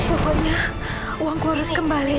pokoknya uangku harus kembali